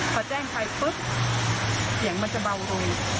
พอแจ้งไปปุ๊บเสียงมันจะเบาลง